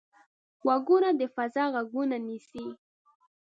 غوږونه د فضا غږونه نیسي